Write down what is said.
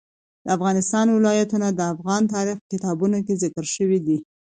د افغانستان ولايتونه د افغان تاریخ په کتابونو کې ذکر شوی دي.